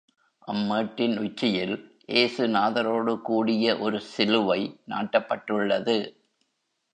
அம்மேட்டின் உச்சியில் ஏசு நாதரோடு கூடிய ஒரு சிலுவை நாட்டப்பட்டுள்ளது.